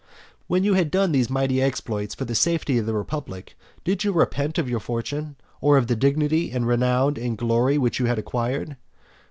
When you had done these mighty exploits for the safety of the republic, did you repent of your fortune, or of the dignity and renown and glory which you had acquired?